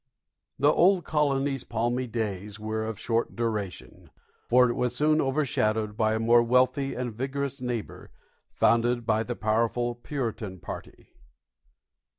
The Old Colony's palmy days were of short duration, for it was soon overshadowed by a more wealthy and vigorous neighbor, founded by the powerful Puritan party.